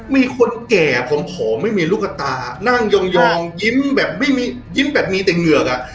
มีคนแก่ผอมไม่มีลูกตานั่งยองยิ้มแบบไม่มียิ้มแบบมีแต่เหงือกอ่ะ